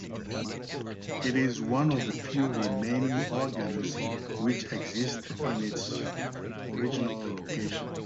It is one of the few remaining organs which exists in its original location.